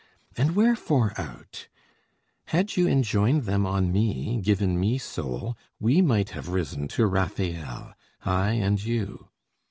And wherefore out? Had you enjoined them on me, given me soul, We might have risen to Rafael, I and you.